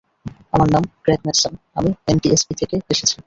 আমার নাম Craig Matson, আমি এনটিএসবি থেকে এসেছি।